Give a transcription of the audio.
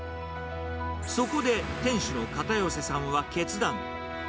そこで店主の片寄さんは決断。